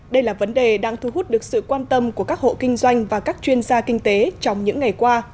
đây là vấn đề đang thu hút được sự quan tâm của các hộ kinh doanh và các chuyên gia kinh tế trong những ngày qua